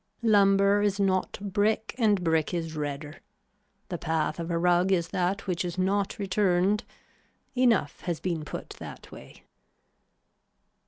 Lumber is not brick and brick is redder. The path of a rug is that which is not returned. Enough has been put that way.